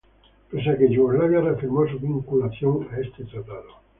Pese a que Yugoslavia reafirmó su vinculación a este tratado.